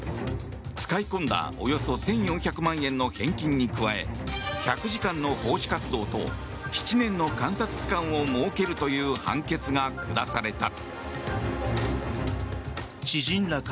使い込んだおよそ１４００万円の返金に加え１００時間の奉仕活動と７年の監察期間を設けるという判決が下された。